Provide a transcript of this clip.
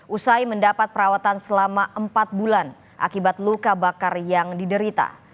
usai mendapat perawatan selama empat bulan akibat luka bakar yang diderita